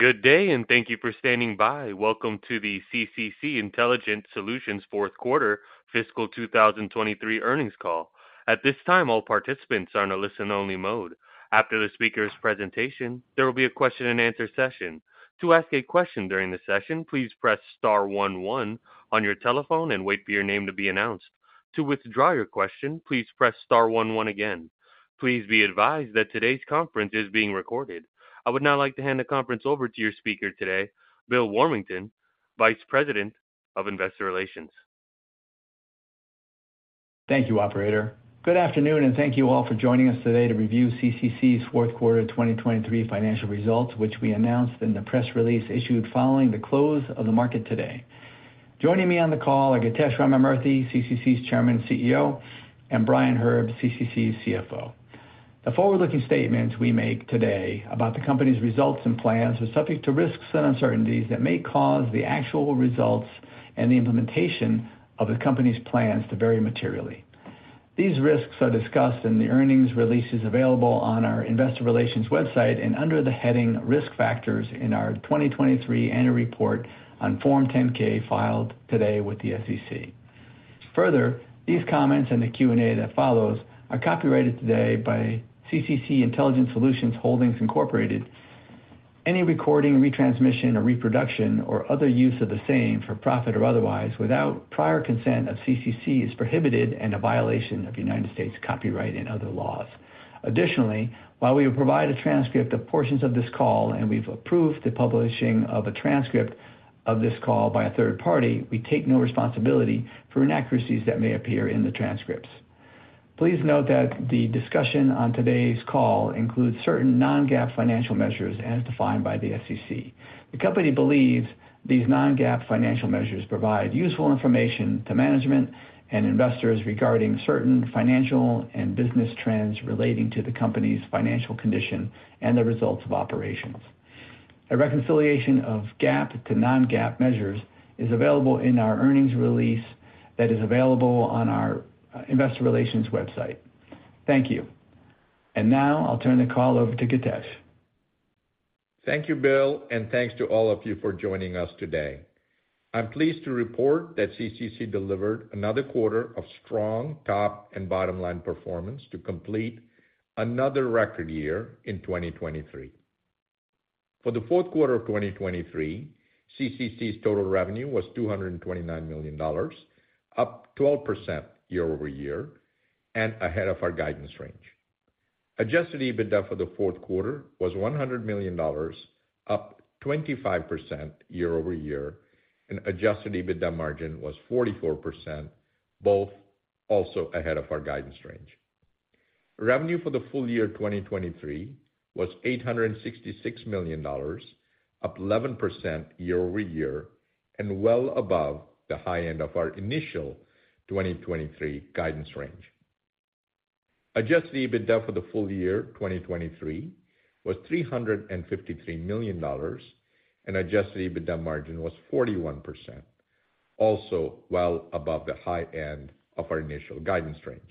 Good day, and thank you for standing by. Welcome to the CCC Intelligent Solutions fourth quarter fiscal 2023 earnings call. At this time, all participants are in a listen-only mode. After the speaker's presentation, there will be a question-and-answer session. To ask a question during the session, please press star one one on your telephone and wait for your name to be announced. To withdraw your question, please press star one one again. Please be advised that today's conference is being recorded. I would now like to hand the conference over to your speaker today, Bill Warmington, Vice President of Investor Relations. Thank you, operator. Good afternoon, and thank you all for joining us today to review CCC's fourth quarter 2023 financial results, which we announced in the press release issued following the close of the market today. Joining me on the call are Githesh Ramamurthy, CCC's Chairman and CEO, and Brian Herb, CCC's CFO. The forward-looking statements we make today about the company's results and plans are subject to risks and uncertainties that may cause the actual results and the implementation of the company's plans to vary materially. These risks are discussed in the earnings releases available on our investor relations website and under the heading Risk Factors in our 2023 annual report on Form 10-K, filed today with the SEC. Further, these comments and the Q&A that follows are copyrighted today by CCC Intelligent Solutions Holdings, Incorporated. Any recording, retransmission, or reproduction or other use of the same, for profit or otherwise, without prior consent of CCC, is prohibited and a violation of United States copyright and other laws. Additionally, while we provide a transcript of portions of this call and we've approved the publishing of a transcript of this call by a third party, we take no responsibility for inaccuracies that may appear in the transcripts. Please note that the discussion on today's call includes certain non-GAAP financial measures as defined by the SEC. The company believes these non-GAAP financial measures provide useful information to management and investors regarding certain financial and business trends relating to the company's financial condition and the results of operations. A reconciliation of GAAP to non-GAAP measures is available in our earnings release that is available on our investor relations website. Thank you. Now I'll turn the call over to Githesh. Thank you, Bill, and thanks to all of you for joining us today. I'm pleased to report that CCC delivered another quarter of strong top and bottom line performance to complete another record year in 2023. For the fourth quarter of 2023, CCC's total revenue was $229 million, up 12% year-over-year and ahead of our guidance range. Adjusted EBITDA for the fourth quarter was $100 million, up 25% year-over-year, and Adjusted EBITDA Margin was 44%, both also ahead of our guidance range. Revenue for the full year 2023 was $866 million, up 11% year-over-year, and well above the high end of our initial 2023 guidance range. Adjusted EBITDA for the full year 2023 was $353 million, and Adjusted EBITDA Margin was 41%, also well above the high end of our initial guidance range.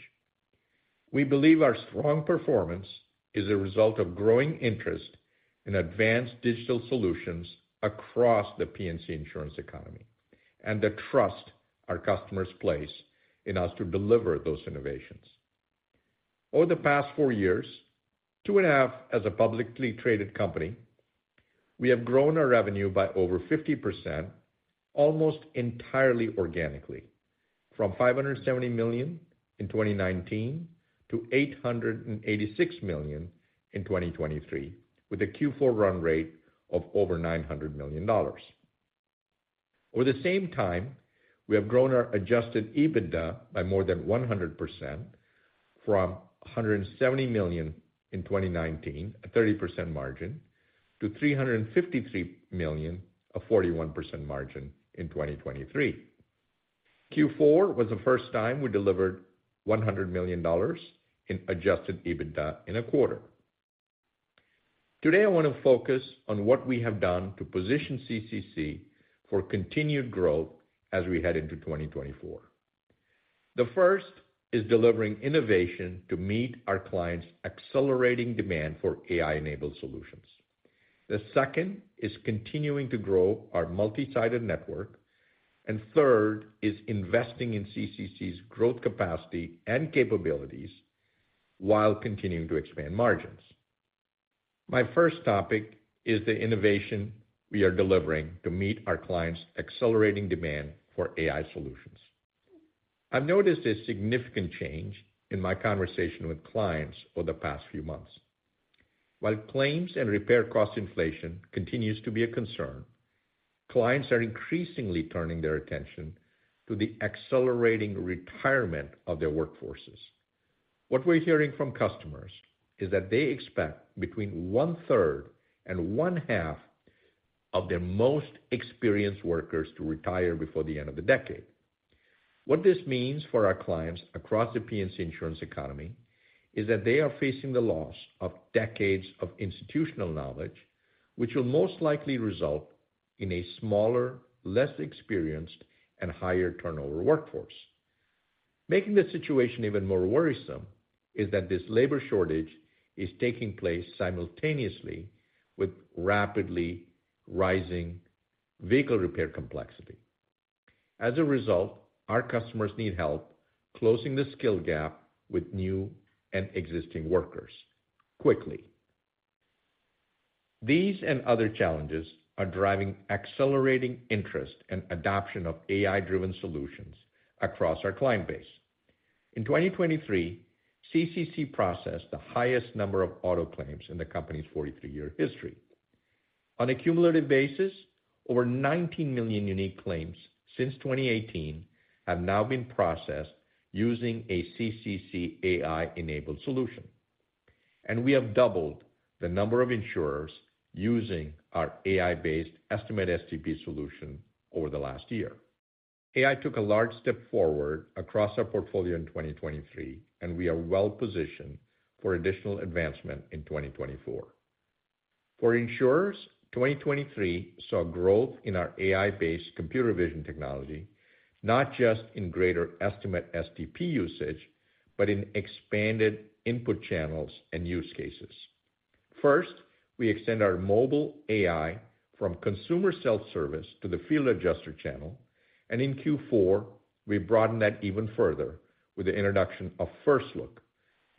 We believe our strong performance is a result of growing interest in advanced digital solutions across the P&C insurance economy and the trust our customers place in us to deliver those innovations. Over the past four years, 2.5 as a publicly traded company, we have grown our revenue by over 50%, almost entirely organically, from $570 million in 2019 to $886 million in 2023, with a Q4 run rate of over $900 million. Over the same time, we have grown our Adjusted EBITDA by more than 100%, from $170 million in 2019, a 30% margin, to $353 million, a 41% margin in 2023. Q4 was the first time we delivered $100 million in Adjusted EBITDA in a quarter. Today, I want to focus on what we have done to position CCC for continued growth as we head into 2024. The first is delivering innovation to meet our clients' accelerating demand for AI-enabled solutions. The second is continuing to grow our multi-sided network, and third is investing in CCC's growth capacity and capabilities while continuing to expand margins. My first topic is the innovation we are delivering to meet our clients' accelerating demand for AI solutions. I've noticed a significant change in my conversation with clients over the past few months. While claims and repair cost inflation continues to be a concern, clients are increasingly turning their attention to the accelerating retirement of their workforces. What we're hearing from customers is that they expect between one-third and one-half of their most experienced workers to retire before the end of the decade. What this means for our clients across the P&C insurance economy is that they are facing the loss of decades of institutional knowledge, which will most likely result in a smaller, less experienced, and higher turnover workforce. Making the situation even more worrisome is that this labor shortage is taking place simultaneously with rapidly rising vehicle repair complexity. As a result, our customers need help closing the skill gap with new and existing workers quickly. These and other challenges are driving accelerating interest and adoption of AI-driven solutions across our client base. In 2023, CCC processed the highest number of auto claims in the company's 43-year history. On a cumulative basis, over 19 million unique claims since 2018 have now been processed using a CCC AI-enabled solution, and we have doubled the number of insurers using our AI-based Estimate STP solution over the last year. AI took a large step forward across our portfolio in 2023, and we are well positioned for additional advancement in 2024. For insurers, 2023 saw growth in our AI-based computer vision technology, not just in greater Estimate STP usage, but in expanded input channels and use cases. First, we extend our mobile AI from consumer self-service to the field adjuster channel, and in Q4, we broadened that even further with the introduction of First Look,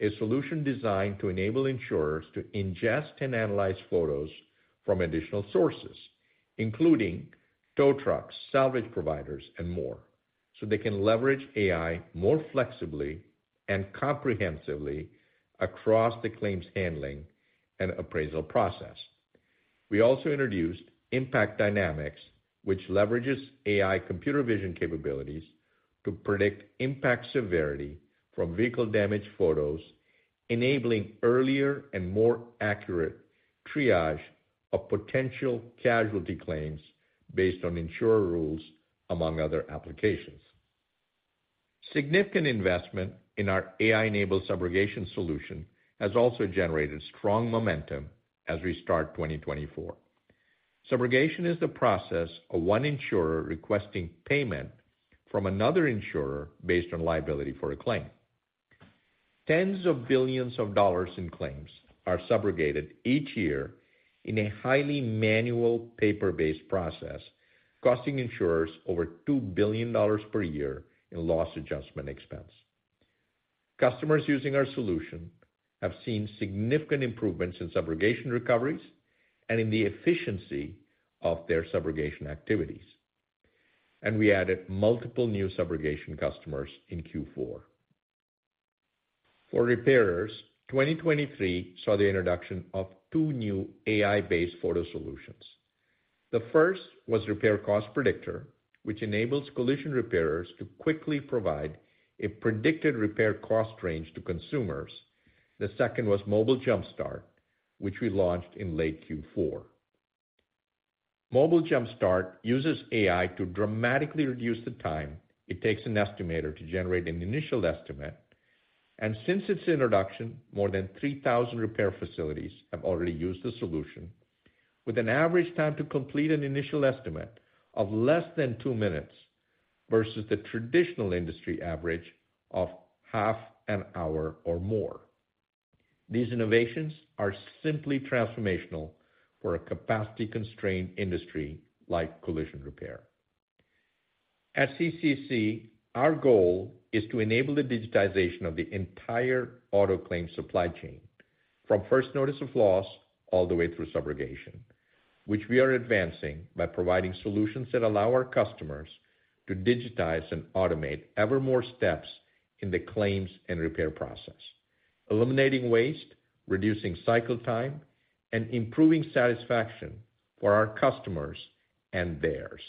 a solution designed to enable insurers to ingest and analyze photos from additional sources, including tow trucks, salvage providers, and more, so they can leverage AI more flexibly and comprehensively across the claims handling and appraisal process. We also introduced Impact Dynamics, which leverages AI computer vision capabilities to predict impact severity from vehicle damage photos, enabling earlier and more accurate triage of potential casualty claims based on insurer rules, among other applications. Significant investment in our AI-enabled Subrogation solution has also generated strong momentum as we start 2024. Subrogation is the process of one insurer requesting payment from another insurer based on liability for a claim. Tens of billions of dollars in claims are subrogated each year in a highly manual, paper-based process, costing insurers over $2 billion per year in loss adjustment expense. Customers using our solution have seen significant improvements in Subrogation recoveries and in the efficiency of their Subrogation activities, and we added multiple new Subrogation customers in Q4. For repairers, 2023 saw the introduction of two new AI-based photo solutions. The first was Repair Cost Predictor, which enables collision repairers to quickly provide a predicted repair cost range to consumers. The second was Mobile Jumpstart, which we launched in late Q4. Mobile Jumpstart uses AI to dramatically reduce the time it takes an estimator to generate an initial estimate. Since its introduction, more than 3,000 repair facilities have already used the solution, with an average time to complete an initial estimate of less than two minutes, versus the traditional industry average of half an hour or more. These innovations are simply transformational for a capacity-constrained industry like collision repair. At CCC, our goal is to enable the digitization of the entire auto claim supply chain, from first notice of loss all the way through Subrogation, which we are advancing by providing solutions that allow our customers to digitize and automate ever more steps in the claims and repair process, eliminating waste, reducing cycle time, and improving satisfaction for our customers and theirs.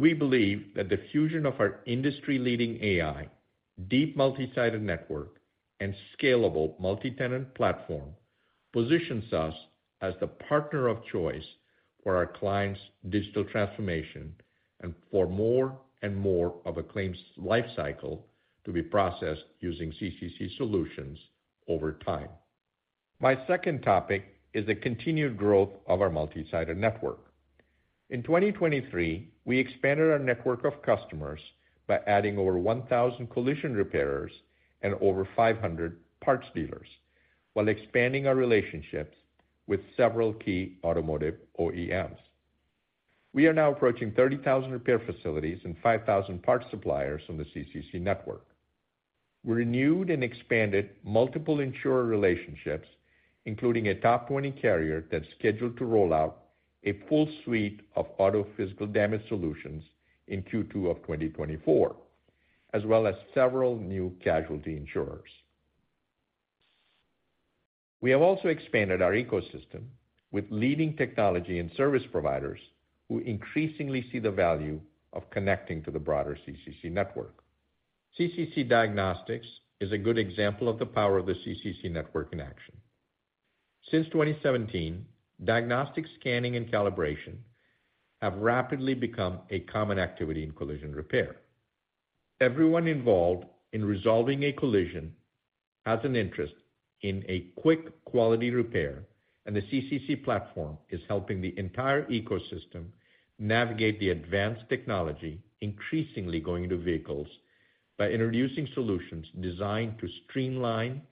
We believe that the fusion of our industry-leading AI, deep multi-sided network, and scalable multi-tenant platform positions us as the partner of choice for our clients' digital transformation, and for more and more of a claims lifecycle to be processed using CCC solutions over time. My second topic is the continued growth of our multi-sided network. In 2023, we expanded our network of customers by adding over 1,000 collision repairers and over 500 parts dealers, while expanding our relationships with several key automotive OEMs. We are now approaching 30,000 repair facilities and 5,000 parts suppliers on the CCC network. We renewed and expanded multiple insurer relationships, including a top 20 carrier that's scheduled to roll out a full suite of auto physical damage solutions in Q2 of 2024, as well as several new casualty insurers. We have also expanded our ecosystem with leading technology and service providers, who increasingly see the value of connecting to the broader CCC network. CCC Diagnostics is a good example of the power of the CCC network in action. Since 2017, diagnostic scanning and calibration have rapidly become a common activity in collision repair. Everyone involved in resolving a collision has an interest in a quick quality repair, and the CCC platform is helping the entire ecosystem navigate the advanced technology increasingly going into vehicles, by introducing solutions designed to streamline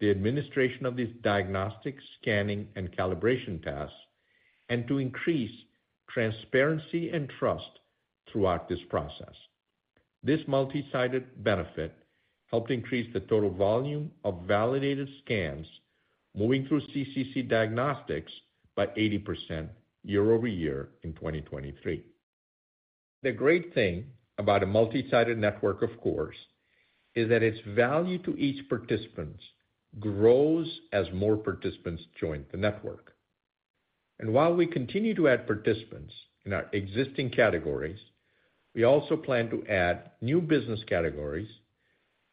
the administration of these diagnostic scanning and calibration tasks, and to increase transparency and trust throughout this process. This multi-sided benefit helped increase the total volume of validated scans moving through CCC Diagnostics by 80% year-over-year in 2023. The great thing about a multi-sided network, of course, is that its value to each participant grows as more participants join the network. And while we continue to add participants in our existing categories, we also plan to add new business categories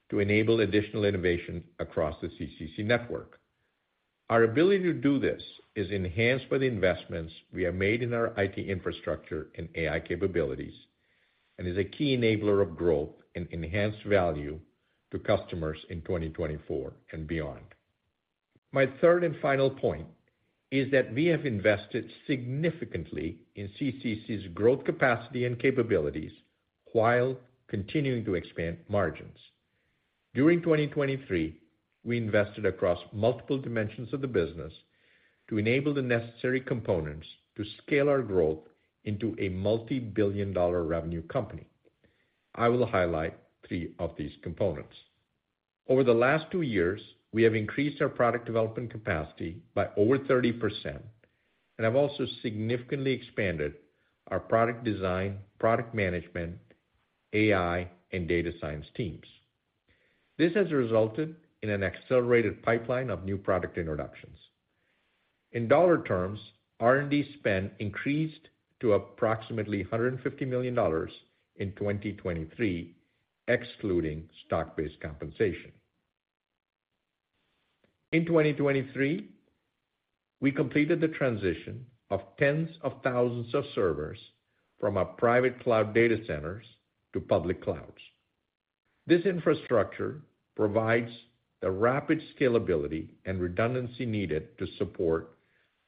to enable additional innovation across the CCC network. Our ability to do this is enhanced by the investments we have made in our IT infrastructure and AI capabilities, and is a key enabler of growth and enhanced value to customers in 2024 and beyond. My third and final point is that we have invested significantly in CCC's growth capacity and capabilities while continuing to expand margins. During 2023, we invested across multiple dimensions of the business to enable the necessary components to scale our growth into a multi-billion dollar revenue company. I will highlight three of these components. Over the last two years, we have increased our product development capacity by over 30% and have also significantly expanded our product design, product management, AI, and data science teams. This has resulted in an accelerated pipeline of new product introductions. In dollar terms, R&D spend increased to approximately $150 million in 2023, excluding stock-based compensation. In 2023, we completed the transition of tens of thousands of servers from our private cloud data centers to public clouds. This infrastructure provides the rapid scalability and redundancy needed to support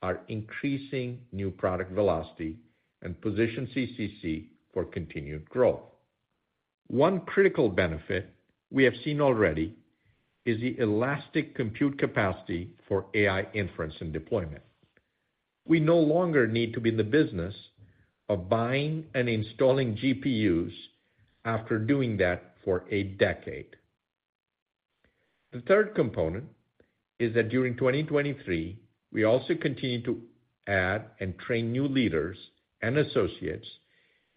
our increasing new product velocity and position CCC for continued growth. One critical benefit we have seen already is the elastic compute capacity for AI inference and deployment. We no longer need to be in the business of buying and installing GPUs after doing that for a decade. The third component is that during 2023, we also continued to add and train new leaders and associates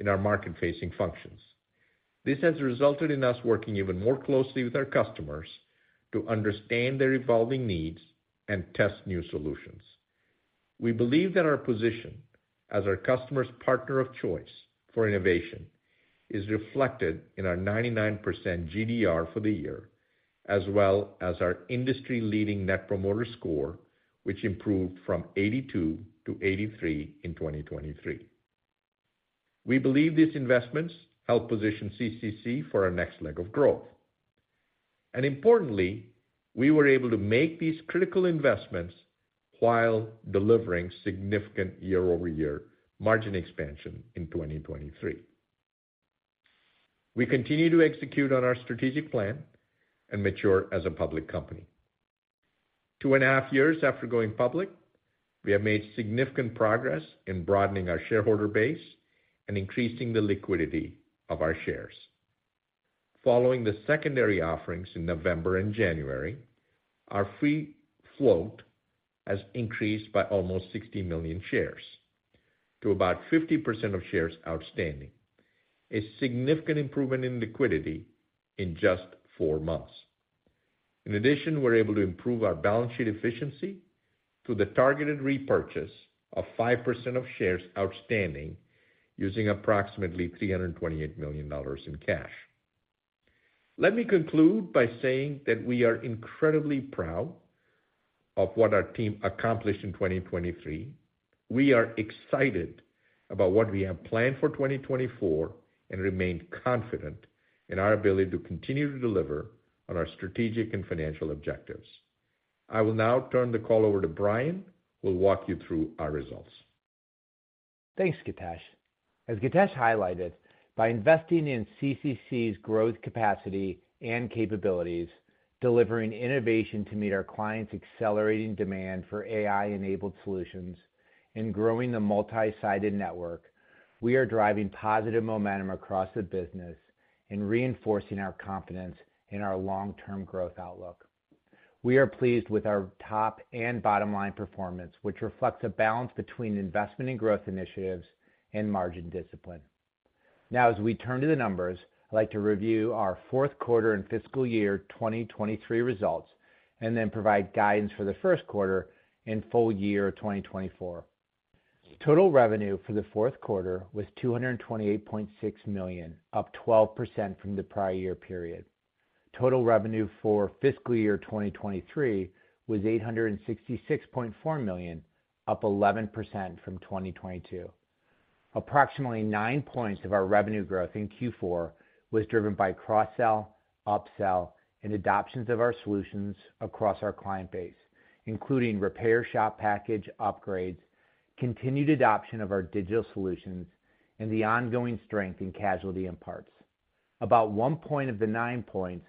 in our market-facing functions. This has resulted in us working even more closely with our customers to understand their evolving needs and test new solutions. We believe that our position as our customer's partner of choice for innovation is reflected in our 99% GDR for the year, as well as our industry-leading Net Promoter Score, which improved from 82 to 83 in 2023. We believe these investments help position CCC for our next leg of growth. Importantly, we were able to make these critical investments while delivering significant year-over-year margin expansion in 2023. We continue to execute on our strategic plan and mature as a public company. 2.5 years after going public, we have made significant progress in broadening our shareholder base and increasing the liquidity of our shares. Following the secondary offerings in November and January, our free float has increased by almost 60 million shares to about 50% of shares outstanding, a significant improvement in liquidity in just four months. In addition, we're able to improve our balance sheet efficiency through the targeted repurchase of 5% of shares outstanding, using approximately $328 million in cash. Let me conclude by saying that we are incredibly proud of what our team accomplished in 2023. We are excited about what we have planned for 2024 and remain confident in our ability to continue to deliver on our strategic and financial objectives. I will now turn the call over to Brian, who will walk you through our results. Thanks, Githesh. As Githesh highlighted, by investing in CCC's growth capacity and capabilities, delivering innovation to meet our clients' accelerating demand for AI-enabled solutions, and growing the multi-sided network, we are driving positive momentum across the business and reinforcing our confidence in our long-term growth outlook. We are pleased with our top and bottom line performance, which reflects a balance between investment and growth initiatives and margin discipline. Now, as we turn to the numbers, I'd like to review our fourth quarter and fiscal year 2023 results, and then provide guidance for the first quarter and full year 2024. Total revenue for the fourth quarter was $228.6 million, up 12% from the prior year period. Total revenue for fiscal year 2023 was $866.4 million, up 11% from 2022.... Approximately nine points of our revenue growth in Q4 was driven by cross-sell, up-sell, and adoptions of our solutions across our client base, including repair shop package upgrades, continued adoption of our digital solutions, and the ongoing strength in casualty and parts. About one point of the nine points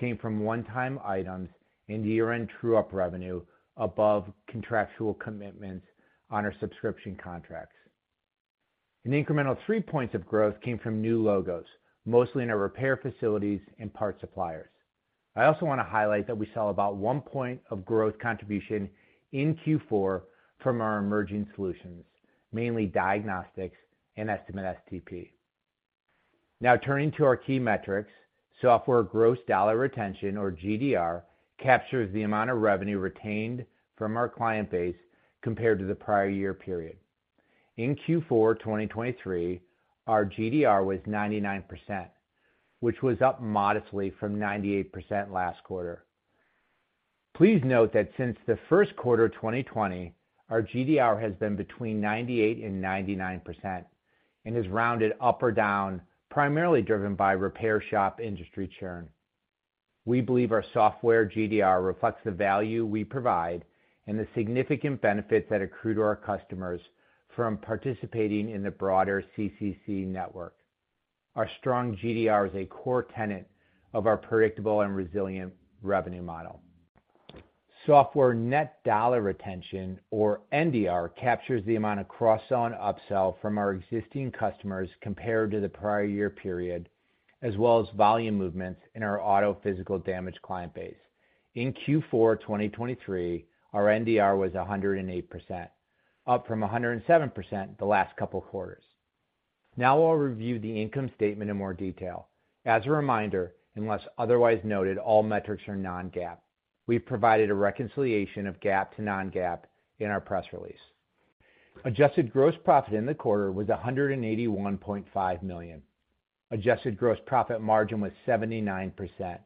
came from one-time items and year-end true-up revenue above contractual commitments on our subscription contracts. An incremental three points of growth came from new logos, mostly in our repair facilities and parts suppliers. I also want to highlight that we sell about 1 point of growth contribution in Q4 from our emerging solutions, mainly diagnostics and Estimate STP. Now turning to our key metrics. Software gross dollar retention, or GDR, captures the amount of revenue retained from our client base compared to the prior year period. In Q4 2023, our GDR was 99%, which was up modestly from 98% last quarter. Please note that since the first quarter of 2020, our GDR has been between 98% and 99% and is rounded up or down, primarily driven by repair shop industry churn. We believe our software GDR reflects the value we provide and the significant benefits that accrue to our customers from participating in the broader CCC network. Our strong GDR is a core tenet of our predictable and resilient revenue model. Software net dollar retention, or NDR, captures the amount of cross-sell and up-sell from our existing customers compared to the prior year period, as well as volume movements in our auto physical damage client base. In Q4 2023, our NDR was 108%, up from 107% the last couple of quarters. Now I'll review the income statement in more detail. As a reminder, unless otherwise noted, all metrics are non-GAAP. We've provided a reconciliation of GAAP to non-GAAP in our press release. Adjusted gross profit in the quarter was $181.5 million. Adjusted gross profit margin was 79%,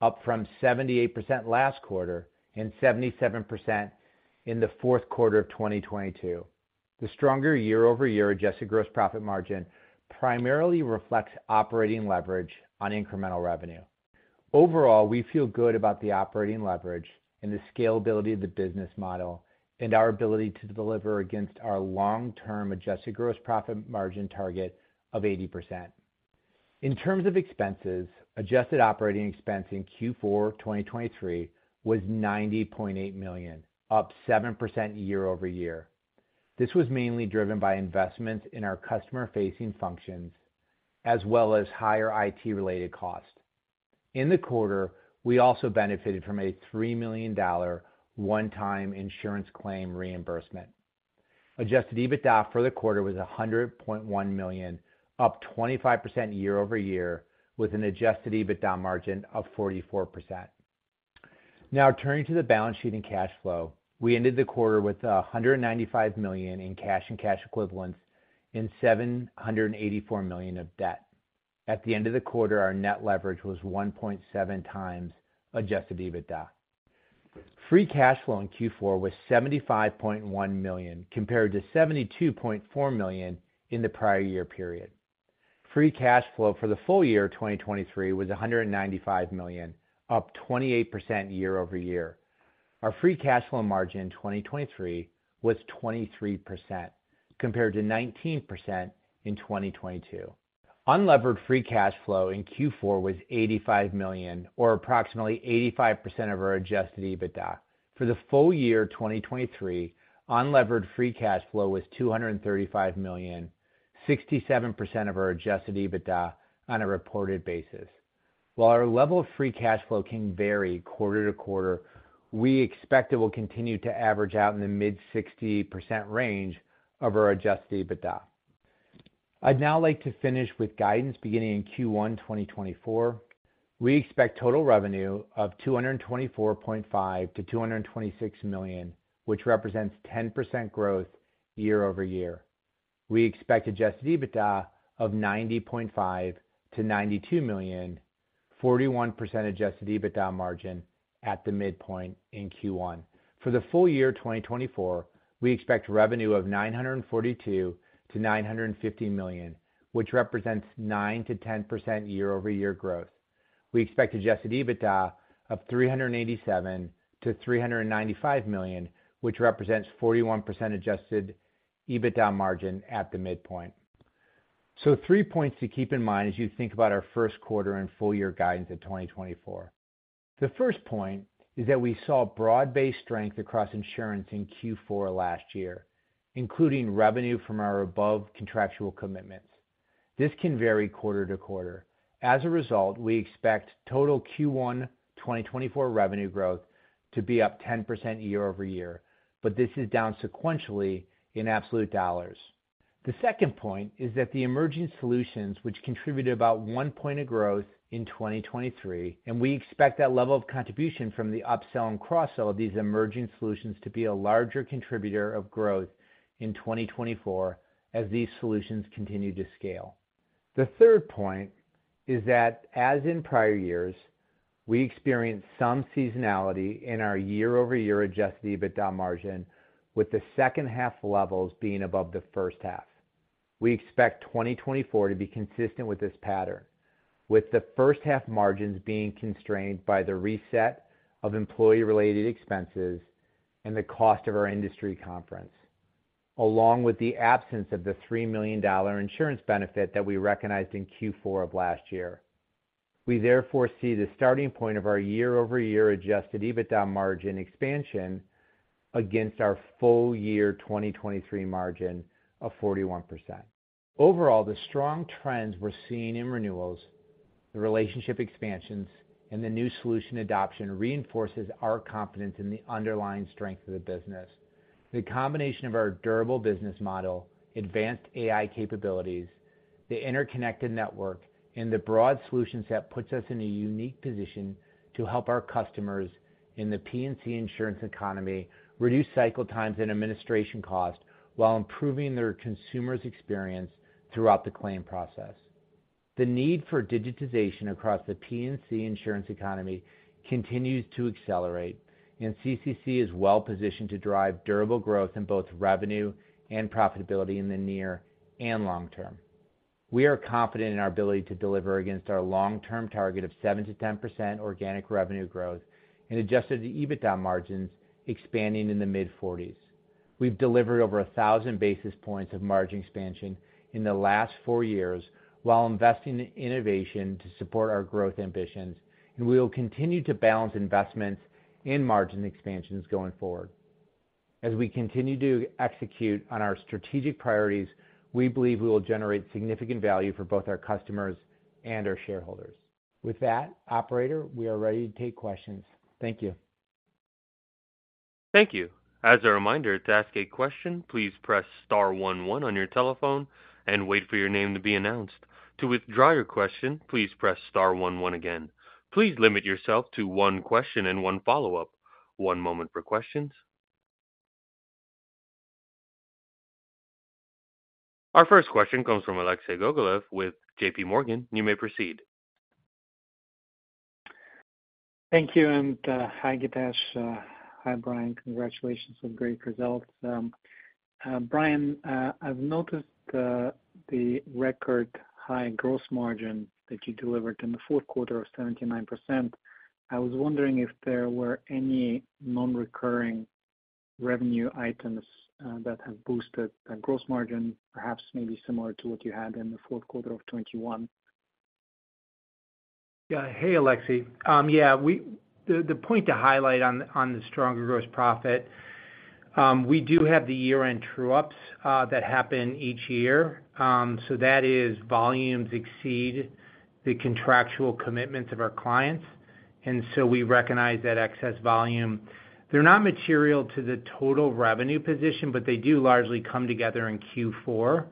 up from 78% last quarter and 77% in the fourth quarter of 2022. The stronger year-over-year adjusted gross profit margin primarily reflects operating leverage on incremental revenue. Overall, we feel good about the operating leverage and the scalability of the business model, and our ability to deliver against our long-term adjusted gross profit margin target of 80%. In terms of expenses, adjusted operating expense in Q4 2023 was $90.8 million, up 7% year-over-year. This was mainly driven by investments in our customer-facing functions, as well as higher IT-related costs. In the quarter, we also benefited from a $3 million one-time insurance claim reimbursement. Adjusted EBITDA for the quarter was $100.1 million, up 25% year-over-year, with an Adjusted EBITDA Margin of 44%. Now turning to the balance sheet and cash flow. We ended the quarter with $195 million in cash and cash equivalents and $784 million of debt. At the end of the quarter, our net leverage was 1.7x Adjusted EBITDA. Free cash flow in Q4 was $75.1 million, compared to $72.4 million in the prior year period. Free cash flow for the full year of 2023 was $195 million, up 28% year-over-year. Our free cash flow margin in 2023 was 23%, compared to 19% in 2022. Unlevered free cash flow in Q4 was $85 million, or approximately 85% of our Adjusted EBITDA. For the full year 2023, unlevered free cash flow was $235 million, 67% of our Adjusted EBITDA on a reported basis. While our level of free cash flow can vary quarter-to-quarter, we expect it will continue to average out in the mid-60% range of our Adjusted EBITDA. I'd now like to finish with guidance beginning in Q1 2024. We expect total revenue of $224.5 million-$226 million, which represents 10% growth year-over-year. We expect Adjusted EBITDA of $90.5 million-$92 million, 41% Adjusted EBITDA Margin at the midpoint in Q1. For the full year 2024, we expect revenue of $942 million-$950 million, which represents 9%-10% year-over-year growth. We expect Adjusted EBITDA of $387 million-$395 million, which represents 41% Adjusted EBITDA Margin at the midpoint. So three points to keep in mind as you think about our first quarter and full year guidance in 2024. The first point is that we saw broad-based strength across insurance in Q4 last year, including revenue from our above contractual commitments. This can vary quarter-to-quarter. As a result, we expect total Q1 2024 revenue growth to be up 10% year-over-year, but this is down sequentially in absolute dollars. The second point is that the emerging solutions, which contributed about one point of growth in 2023, and we expect that level of contribution from the up-sell and cross-sell of these emerging solutions to be a larger contributor of growth in 2024 as these solutions continue to scale. The third point is that, as in prior years, we experienced some seasonality in our year-over-year Adjusted EBITDA Margin, with the second half levels being above the first half. We expect 2024 to be consistent with this pattern, with the first half margins being constrained by the reset of employee-related expenses and the cost of our industry conference, along with the absence of the $3 million insurance benefit that we recognized in Q4 of last year. We therefore see the starting point of our year-over-year Adjusted EBITDA Margin expansion against our full year 2023 margin of 41%. Overall, the strong trends we're seeing in renewals, the relationship expansions, and the new solution adoption reinforces our confidence in the underlying strength of the business. The combination of our durable business model, advanced AI capabilities, the interconnected network, and the broad solution set puts us in a unique position to help our customers in the P&C insurance economy reduce cycle times and administration costs while improving their consumers' experience throughout the claim process. The need for digitization across the P&C insurance economy continues to accelerate, and CCC is well positioned to drive durable growth in both revenue and profitability in the near and long term. We are confident in our ability to deliver against our long-term target of 7%-10% organic revenue growth and Adjusted EBITDA Margins expanding in the mid-40s. We've delivered over 1,000 basis points of margin expansion in the last four years while investing in innovation to support our growth ambitions, and we will continue to balance investments in margin expansions going forward. As we continue to execute on our strategic priorities, we believe we will generate significant value for both our customers and our shareholders. With that, operator, we are ready to take questions. Thank you. Thank you. As a reminder, to ask a question, please press star one one on your telephone and wait for your name to be announced. To withdraw your question, please press star one one again. Please limit yourself to one question and one follow-up. One moment for questions. Our first question comes from Alexei Gogolev with JPMorgan. You may proceed. Thank you, and hi, Githesh. Hi, Brian. Congratulations on great results. Brian, I've noticed the record-high gross margin that you delivered in the fourth quarter of 79%. I was wondering if there were any nonrecurring revenue items that have boosted the gross margin, perhaps maybe similar to what you had in the fourth quarter of 2021? Yeah. Hey, Alexei. Yeah, we the point to highlight on the stronger gross profit, we do have the year-end true ups that happen each year. So that is volumes exceed the contractual commitments of our clients, and so we recognize that excess volume. They're not material to the total revenue position, but they do largely come together in Q4,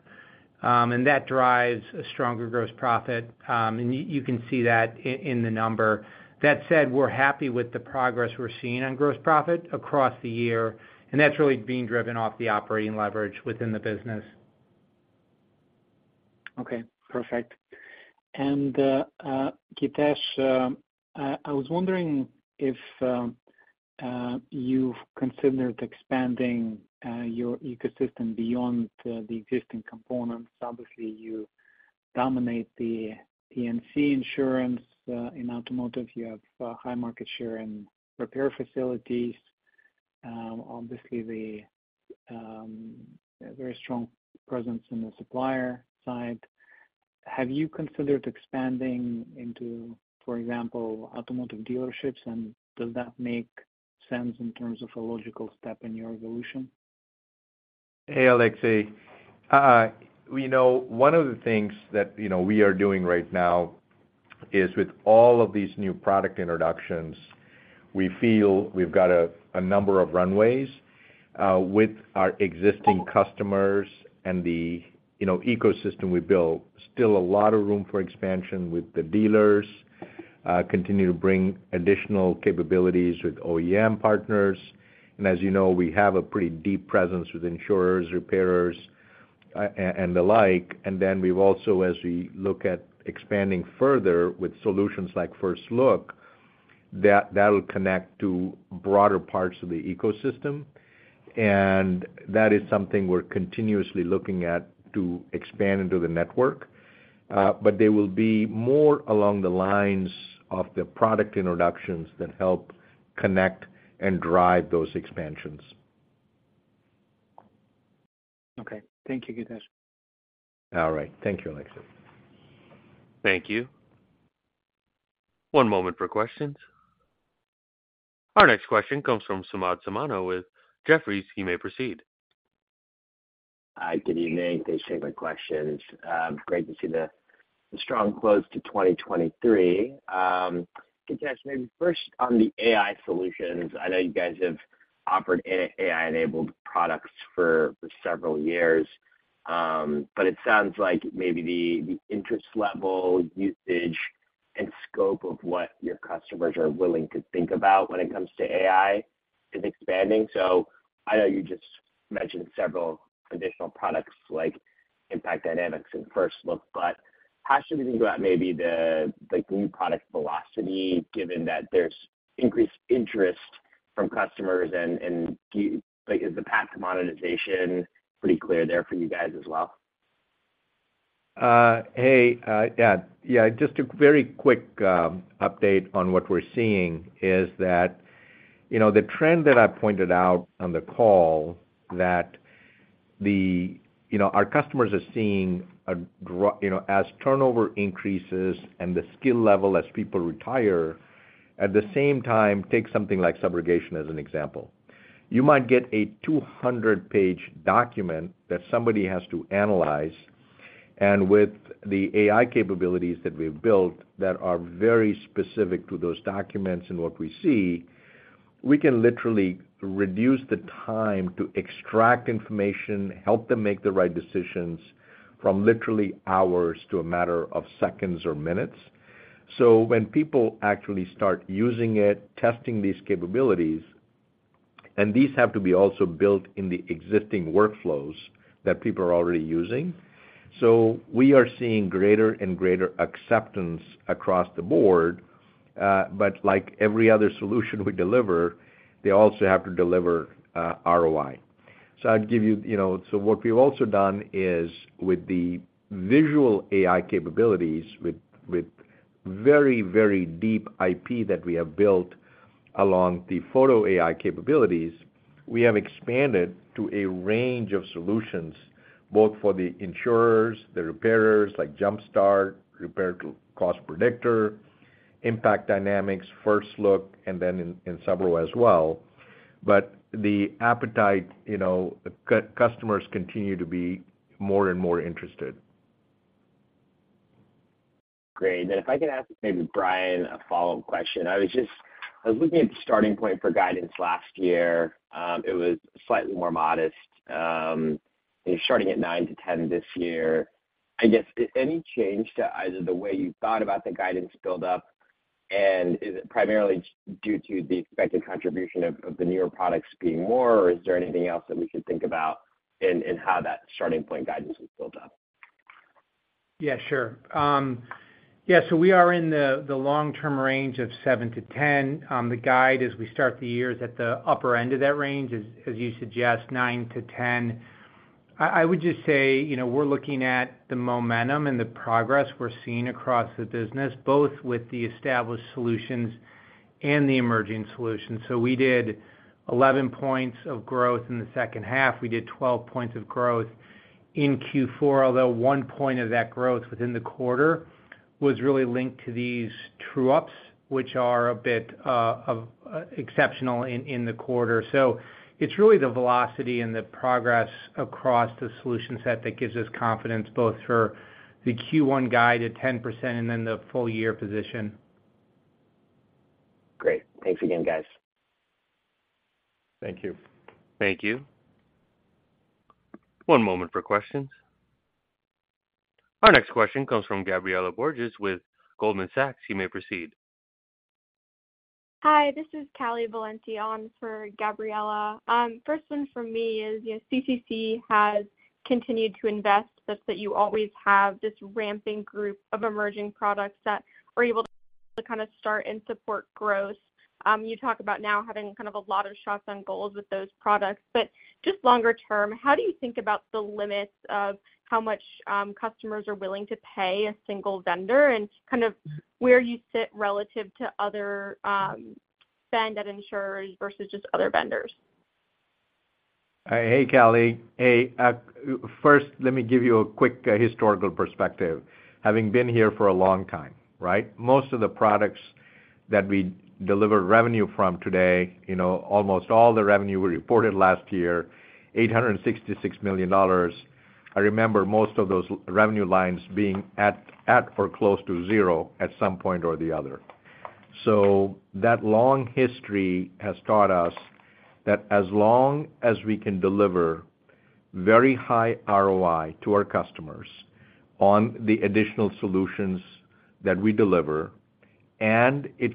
and that drives a stronger gross profit, and you can see that in the number. That said, we're happy with the progress we're seeing on gross profit across the year, and that's really being driven off the operating leverage within the business. Okay, perfect. And, Githesh, I was wondering if you've considered expanding your ecosystem beyond the existing components. Obviously, you dominate the P&C insurance in automotive. You have high market share in repair facilities, obviously a very strong presence in the supplier side. Have you considered expanding into, for example, automotive dealerships, and does that make sense in terms of a logical step in your evolution? Hey, Alexei. We know one of the things that, you know, we are doing right now is, with all of these new product introductions, we feel we've got a number of runways with our existing customers and the, you know, ecosystem we built. Still a lot of room for expansion with the dealers, continue to bring additional capabilities with OEM partners. And as you know, we have a pretty deep presence with insurers, repairers, and the like. And then we've also, as we look at expanding further with solutions like First Look, that'll connect to broader parts of the ecosystem, and that is something we're continuously looking at to expand into the network. But they will be more along the lines of the product introductions that help connect and drive those expansions. Okay. Thank you, Githesh. All right. Thank you, Alexei. Thank you. One moment for questions. Our next question comes from Samad Samana with Jefferies. You may proceed. Good evening. Thanks for taking my questions. Great to see the strong close to 2023. Githesh, maybe first on the AI solutions. I know you guys have offered AI-enabled products for several years, but it sounds like maybe the interest level, usage, and scope of what your customers are willing to think about when it comes to AI is expanding. So I know you just mentioned several additional products like Impact Dynamics and First Look, but how should we think about maybe the, like, new product velocity, given that there's increased interest from customers and do you-- like, is the path to monetization pretty clear there for you guys as well? just a very quick update on what we're seeing is that, you know, the trend that I pointed out on the call, that the, you know, our customers are seeing, you know, as turnover increases and the skill level as people retire, at the same time, take something like Subrogation as an example. You might get a 200-page document that somebody has to analyze, and with the AI capabilities that we've built that are very specific to those documents and what we see, we can literally reduce the time to extract information, help them make the right decisions from literally hours to a matter of seconds or minutes. So when people actually start using it, testing these capabilities, and these have to be also built in the existing workflows that people are already using. So we are seeing greater and greater acceptance across the board, but like every other solution we deliver, they also have to deliver ROI. So I'd give you, you know. So what we've also done is, with the visual AI capabilities, with very, very deep IP that we have built along the photo AI capabilities, we have expanded to a range of solutions, both for the insurers, the repairers, like Jumpstart, Repair Cost Predictor, Impact Dynamics, First Look, and then in Subro as well. But the appetite, you know, customers continue to be more and more interested. Great. Then if I could ask maybe Brian a follow-up question. I was just looking at the starting point for guidance last year. It was slightly more modest, and you're starting at 9-10 this year. I guess, any change to either the way you thought about the guidance build up, and is it primarily due to the expected contribution of the newer products being more, or is there anything else that we should think about in how that starting point guidance is built up? Yeah, sure. Yeah, so we are in the long-term range of 7-10. The guide, as we start the year, is at the upper end of that range, as you suggest, 9-10. I would just say, you know, we're looking at the momentum and the progress we're seeing across the business, both with the established solutions and the emerging solutions. So we did 11 points of growth in the second half. We did 12 points of growth in Q4, although one point of that growth within the quarter was really linked to these true-ups, which are a bit of exceptional in the quarter. So it's really the velocity and the progress across the solution set that gives us confidence, both for the Q1 guide at 10% and then the full year position. Great. Thanks again, guys. Thank you. Thank you. One moment for questions. Our next question comes from Gabriela Borges with Goldman Sachs. You may proceed. Hi, this is Callie Valenti on for Gabriela. First one from me is, you know, CCC has continued to invest such that you always have this ramping group of emerging products that are able to kind of start and support growth. You talk about now having kind of a lot of shots on goals with those products. But just longer term, how do you think about the limits of how much customers are willing to pay a single vendor, and kind of where you sit relative to other spend at insurers versus just other vendors? Hey, Callie. First, let me give you a quick historical perspective, having been here for a long time, right? Most of the products that we deliver revenue from today, you know, almost all the revenue we reported last year, $866 million, I remember most of those revenue lines being at or close to zero at some point or the other. So that long history has taught us that as long as we can deliver very high ROI to our customers on the additional solutions that we deliver, and it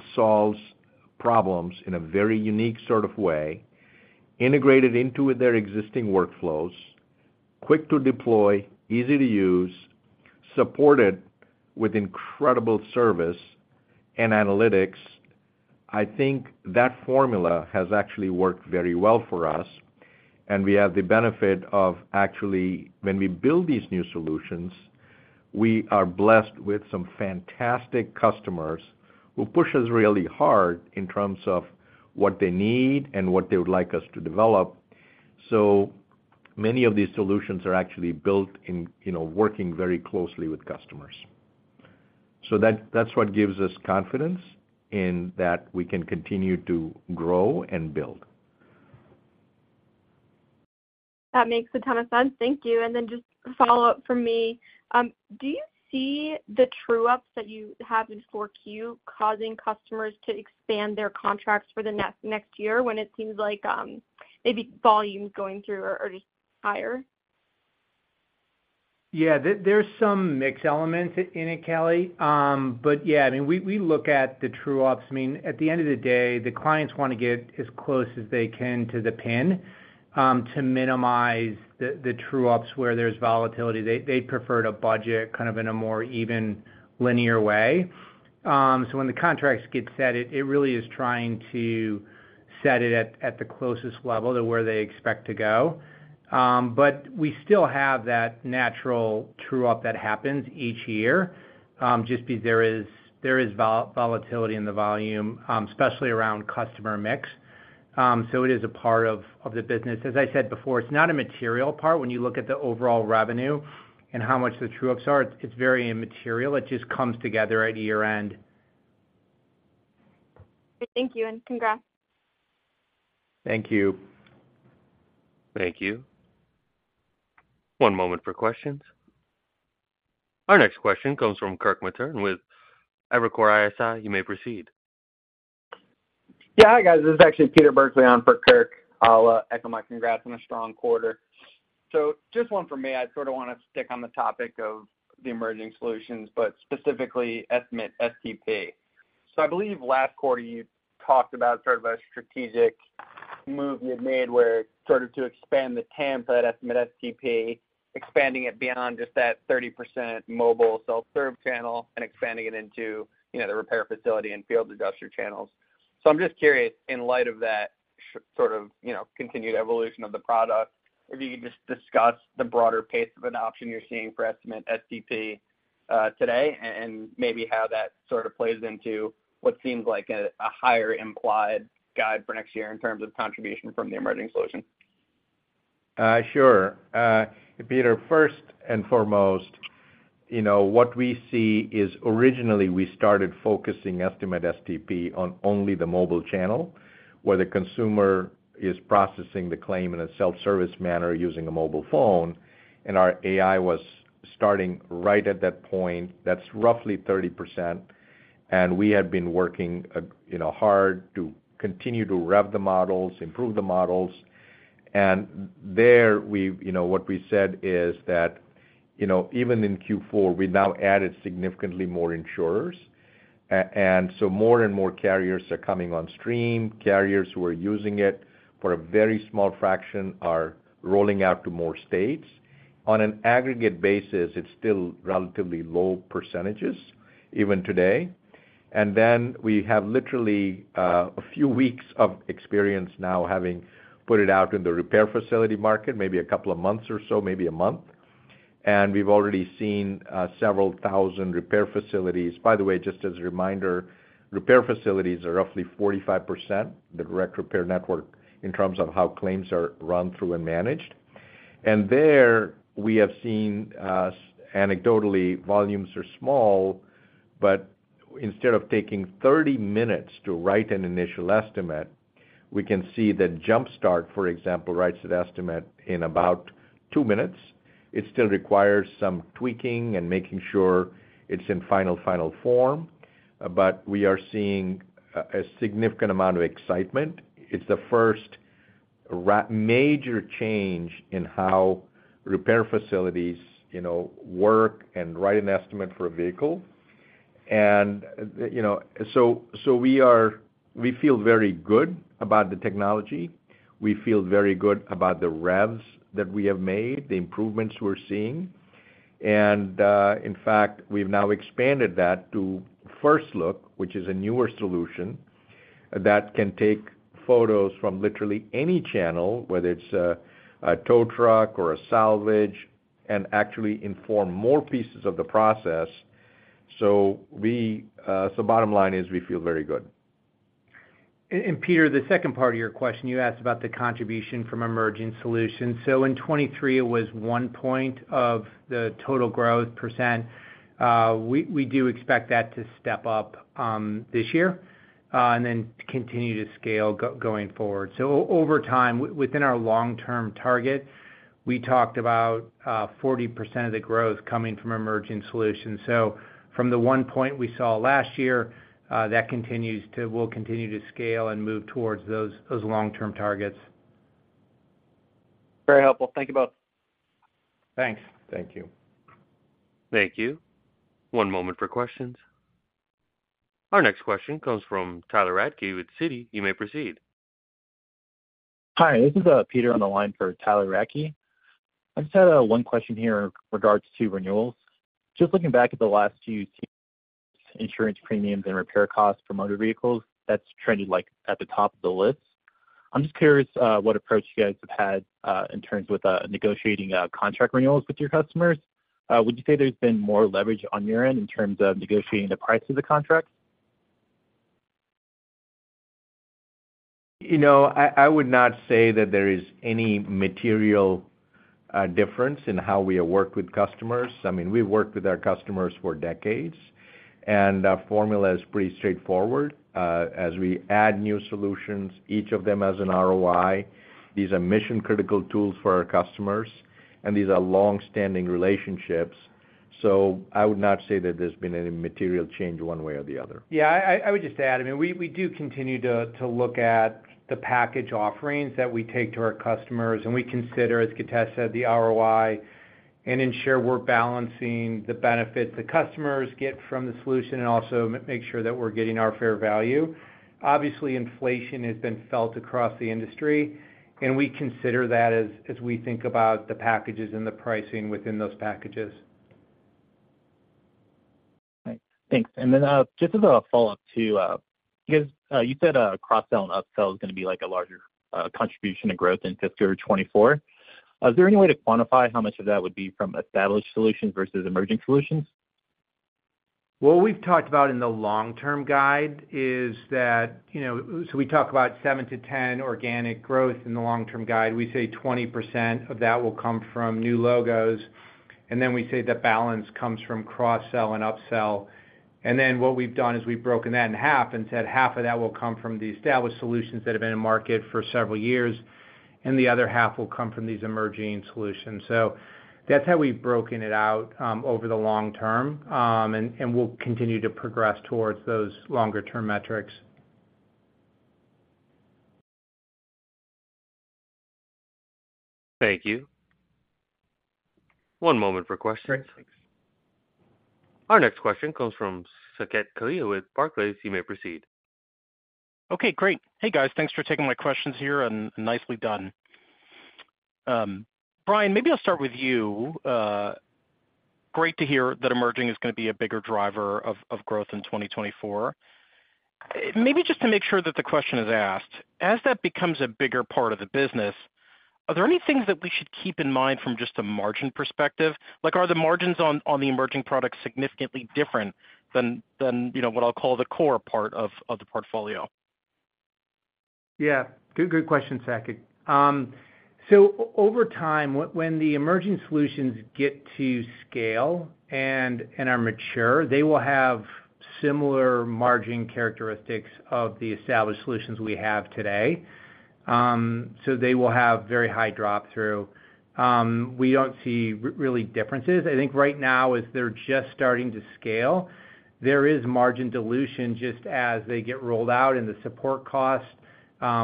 solves problems in a very unique sort of way, integrated into their existing workflows, quick to deploy, easy to use, supported with incredible service and analytics, I think that formula has actually worked very well for us. And we have the benefit of actually, when we build these new solutions, we are blessed with some fantastic customers who push us really hard in terms of what they need and what they would like us to develop. So many of these solutions are actually built in, you know, working very closely with customers. So that, that's what gives us confidence in that we can continue to grow and build. That makes a ton of sense. Thank you. And then just a follow-up from me. Do you see the true-ups that you have in 4Q causing customers to expand their contracts for the next year, when it seems like, maybe volume going through are just higher?... Yeah, there's some mix elements in it, Callie. But yeah, I mean, we look at the true ups. I mean, at the end of the day, the clients wanna get as close as they can to the pin, to minimize the true ups where there's volatility. They preferred a budget kind of in a more even linear way. So when the contracts get set, it really is trying to set it at the closest level to where they expect to go. But we still have that natural true up that happens each year, just because there is volatility in the volume, especially around customer mix. So it is a part of the business. As I said before, it's not a material part when you look at the overall revenue and how much the true ups are, it's very immaterial. It just comes together at year-end. Thank you, and congrats. Thank you. Thank you. One moment for questions. Our next question comes from Kirk Materne with Evercore ISI. You may proceed. Yeah. Hi, guys. This is actually Peter Burkly on for Kirk. I'll echo my congrats on a strong quarter. So just one for me. I sort of wanna stick on the topic of the emerging solutions, but specifically Estimate STP. So I believe last quarter, you talked about sort of a strategic move you had made where sort of to expand the TAM at Estimate STP, expanding it beyond just that 30% mobile self-serve channel and expanding it into, you know, the repair facility and field adjuster channels. I'm just curious, in light of that sort of, you know, continued evolution of the product, if you could just discuss the broader pace of adoption you're seeing for Estimate STP today, and maybe how that sort of plays into what seems like a higher implied guide for next year in terms of contribution from the emerging solution. Sure. Peter, first and foremost, you know, what we see is originally we started focusing Estimate STP on only the mobile channel, where the consumer is processing the claim in a self-service manner using a mobile phone, and our AI was starting right at that point. That's roughly 30%, and we had been working, you know, hard to continue to rev the models, improve the models. And there, you know, what we said is that, you know, even in Q4, we now added significantly more insurers. And so more and more carriers are coming on stream. Carriers who are using it for a very small fraction are rolling out to more states. On an aggregate basis, it's still relatively low percentages, even today. And then we have literally a few weeks of experience now, having put it out in the repair facility market, maybe a couple of months or so, maybe a month, and we've already seen several thousand repair facilities. By the way, just as a reminder, repair facilities are roughly 45%, the direct repair network, in terms of how claims are run through and managed. And there, we have seen anecdotally, volumes are small, but instead of taking 30 minutes to write an initial estimate, we can see that Jumpstart, for example, writes an estimate in about two minutes. It still requires some tweaking and making sure it's in final, final form, but we are seeing a significant amount of excitement. It's the first major change in how repair facilities, you know, work and write an estimate for a vehicle. You know, so we feel very good about the technology. We feel very good about the revs that we have made, the improvements we're seeing. In fact, we've now expanded that to First Look, which is a newer solution that can take photos from literally any channel, whether it's a tow truck or a salvage, and actually inform more pieces of the process. So bottom line is we feel very good. And Peter, the second part of your question, you asked about the contribution from emerging solutions. So in 2023, it was one point of the total growth percent. We do expect that to step up, this year, and then continue to scale going forward. So over time, within our long-term target, we talked about, 40% of the growth coming from emerging solutions. So from the one point we saw last year, that continues to—we'll continue to scale and move towards those long-term targets. Very helpful. Thank you both. Thanks. Thank you. Thank you. One moment for questions. Our next question comes from Tyler Radke with Citi. You may proceed. Hi, this is Peter on the line for Tyler Radke. I just had one question here in regards to renewals. Just looking back at the last few insurance premiums and repair costs for motor vehicles, that's trended, like, at the top of the list. I'm just curious what approach you guys have had in terms with negotiating contract renewals with your customers. Would you say there's been more leverage on your end in terms of negotiating the price of the contract? You know, I would not say that there is any material difference in how we work with customers. I mean, we've worked with our customers for decades, and our formula is pretty straightforward. As we add new solutions, each of them has an ROI. These are mission-critical tools for our customers, and these are long-standing relationships. So I would not say that there's been any material change one way or the other. Yeah, I would just add, I mean, we do continue to look at the package offerings that we take to our customers, and we consider, as Githesh said, the ROI and ensure we're balancing the benefit the customers get from the solution and also make sure that we're getting our fair value. Obviously, inflation has been felt across the industry, and we consider that as we think about the packages and the pricing within those packages. Right. Thanks. And then, just as a follow-up to, because you said, cross-sell and upsell is gonna be, like, a larger contribution to growth in 2025 or 2024. Is there any way to quantify how much of that would be from established solutions versus emerging solutions? What we've talked about in the long-term guide is that, you know, so we talk about 7-10 organic growth in the long-term guide. We say 20% of that will come from new logos, and then we say the balance comes from cross-sell and upsell. And then what we've done is we've broken that in half and said half of that will come from the established solutions that have been in market for several years, and the other half will come from these emerging solutions. So that's how we've broken it out over the long term, and we'll continue to progress towards those longer-term metrics. Thank you. One moment for questions. Great, thanks. Our next question comes from Saket Kalia with Barclays. You may proceed. Okay, great. Hey, guys, thanks for taking my questions here, and nicely done. Brian, maybe I'll start with you. Great to hear that emerging is gonna be a bigger driver of growth in 2024. Maybe just to make sure that the question is asked, as that becomes a bigger part of the business, are there any things that we should keep in mind from just a margin perspective? Like, are the margins on the emerging products significantly different than you know, what I'll call the core part of the portfolio? Yeah, good, good question, Saket. So over time, when the emerging solutions get to scale and are mature, they will have similar margin characteristics of the established solutions we have today. So they will have very high drop-through. We don't see real differences. I think right now, as they're just starting to scale, there is margin dilution just as they get rolled out, and the support cost,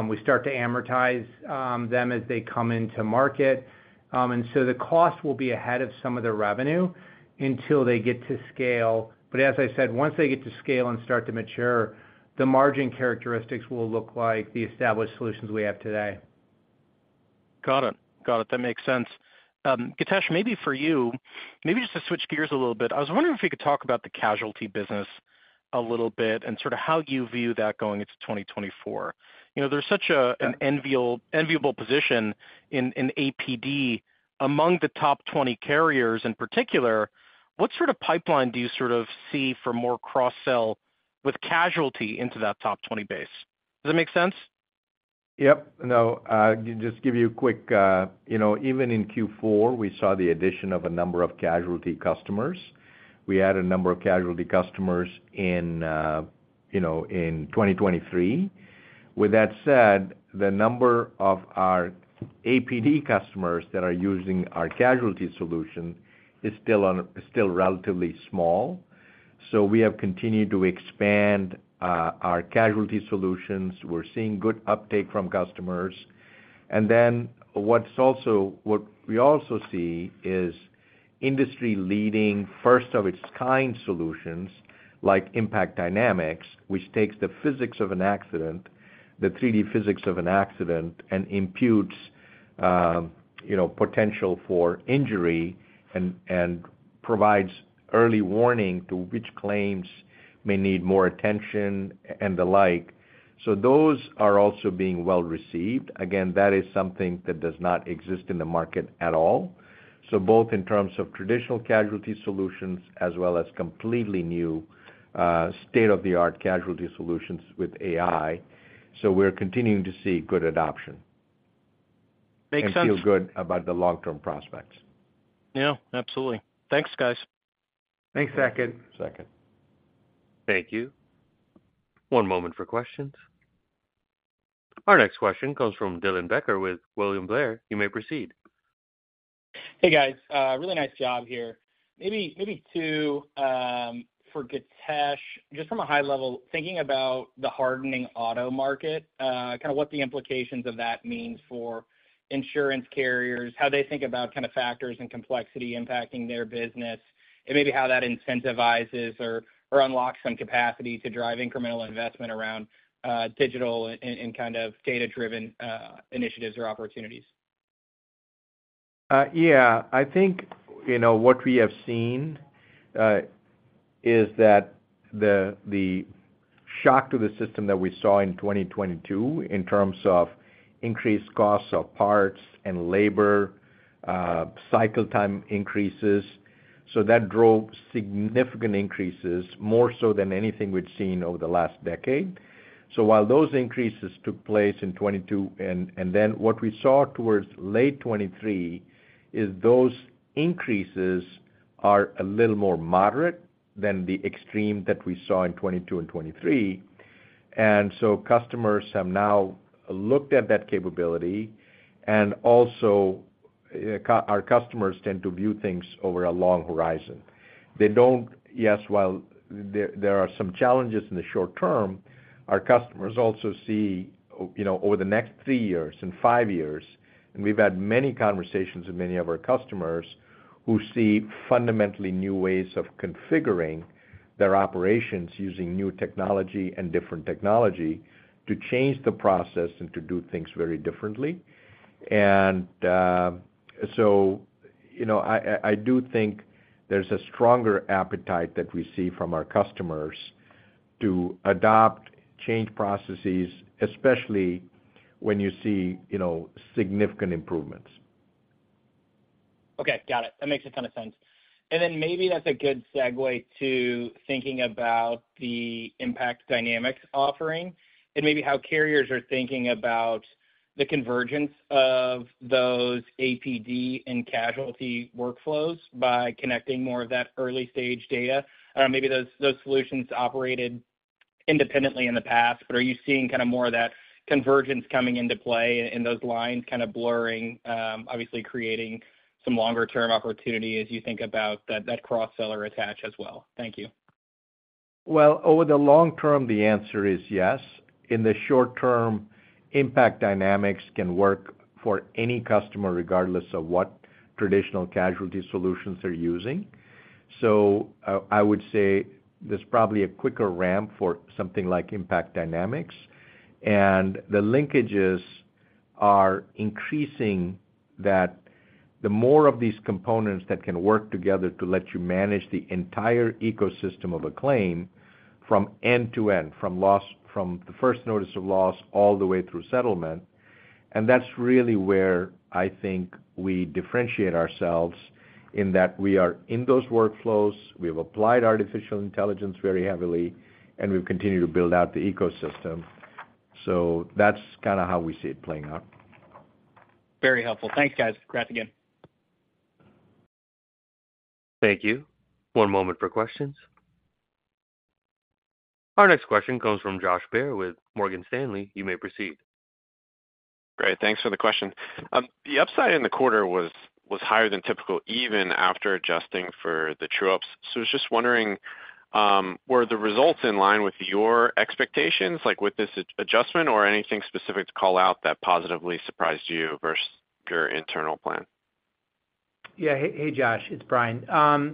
we start to amortize them as they come into market. And so the cost will be ahead of some of the revenue until they get to scale. But as I said, once they get to scale and start to mature, the margin characteristics will look like the established solutions we have today. Got it. Got it. That makes sense. Githesh, maybe for you, maybe just to switch gears a little bit. I was wondering if you could talk about the casualty business a little bit and sort of how you view that going into 2024. You know, there's such an enviable, enviable position in APD among the top 20 carriers in particular. What sort of pipeline do you sort of see for more cross-sell with casualty into that top 20 base? Does that make sense? Yep. No, just give you a quick... You know, even in Q4, we saw the addition of a number of casualty customers. We had a number of casualty customers in, you know, in 2023. With that said, the number of our APD customers that are using our casualty solution is still relatively small. So we have continued to expand our casualty solutions. We're seeing good uptake from customers. And then what we also see is industry-leading, first-of-its-kind solutions, like Impact Dynamics, which takes the physics of an accident, the 3D physics of an accident, and imputes, you know, potential for injury and provides early warning to which claims may need more attention and the like. So those are also being well received. Again, that is something that does not exist in the market at all. So both in terms of traditional casualty solutions as well as completely new, state-of-the-art casualty solutions with AI, so we're continuing to see good adoption. Makes sense. Feel good about the long-term prospects. Yeah, absolutely. Thanks, guys. Thanks, Saket. Thanks, Saket. Thank you. One moment for questions. Our next question comes from Dylan Becker with William Blair. You may proceed. Hey, guys, really nice job here. Maybe two for Githesh. Just from a high level, thinking about the hardening auto market, kind of what the implications of that means for insurance carriers, how they think about kind of factors and complexity impacting their business, and maybe how that incentivizes or unlocks some capacity to drive incremental investment around digital and kind of data-driven initiatives or opportunities. Yeah, I think, you know, what we have seen is that the shock to the system that we saw in 2022 in terms of increased costs of parts and labor, cycle time increases, so that drove significant increases, more so than anything we'd seen over the last decade. So while those increases took place in 2022, and then what we saw towards late 2023 is those increases are a little more moderate than the extreme that we saw in 2022 and 2023. So customers have now looked at that capability, and also, our customers tend to view things over a long horizon. They don't. Yes, while there are some challenges in the short term, our customers also see, you know, over the next three years and five years, and we've had many conversations with many of our customers who see fundamentally new ways of configuring their operations using new technology and different technology to change the process and to do things very differently. And, so, you know, I do think there's a stronger appetite that we see from our customers to adopt change processes, especially when you see, you know, significant improvements. Okay, got it. That makes a ton of sense. And then maybe that's a good segue to thinking about the Impact Dynamics offering and maybe how carriers are thinking about the convergence of those APD and casualty workflows by connecting more of that early-stage data. I don't know, maybe those, those solutions operated independently in the past, but are you seeing kind of more of that convergence coming into play and those lines kind of blurring, obviously, creating some longer-term opportunity as you think about that, that cross-seller attach as well? Thank you. Well, over the long term, the answer is yes. In the short term, Impact Dynamics can work for any customer, regardless of what traditional casualty solutions they're using. So, I would say there's probably a quicker ramp for something like Impact Dynamics, and the linkages are increasing that the more of these components that can work together to let you manage the entire ecosystem of a claim from end to end, from the first notice of loss all the way through settlement, and that's really where I think we differentiate ourselves, in that we are in those workflows, we have applied artificial intelligence very heavily, and we've continued to build out the ecosystem. So that's kind of how we see it playing out. Very helpful. Thanks, guys. Congrats again. Thank you. One moment for questions. Our next question comes from Josh Baer with Morgan Stanley. You may proceed. Great, thanks for the question. The upside in the quarter was higher than typical, even after adjusting for the true-ups. So I was just wondering, were the results in line with your expectations, like with this adjustment, or anything specific to call out that positively surprised you versus your internal plan? Yeah. Hey, hey, Josh, it's Brian.